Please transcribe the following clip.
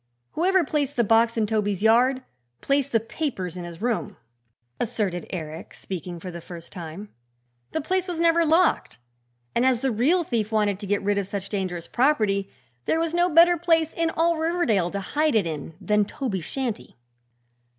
"Whoever placed the box in Toby's yard placed the papers in his room," asserted Eric, speaking for the first time. "The place was never locked, and as the real thief wanted to get rid of such dangerous property there was no better place in all Riverdale to hide it in than Toby's shanty."